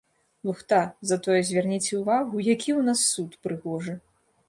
Лухта, затое звярніце ўвагу, які ў нас суд прыгожы.